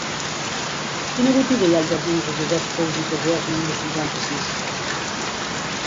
Quina botiga hi ha als jardins de Josep Pous i Pagès número cinquanta-sis?